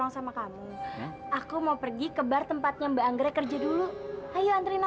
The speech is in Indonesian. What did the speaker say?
sampai jumpa di video selanjutnya